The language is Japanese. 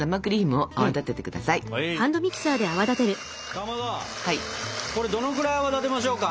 かまどこれどのぐらい泡立てましょうか？